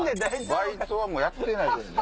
バイトはもうやってない。